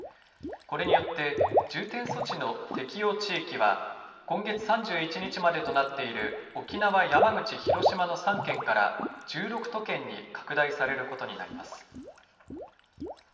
これによって重点措置の適用地域は今月３１日までとなっている沖縄、山口、広島の３県から１６都県に拡大されることになります。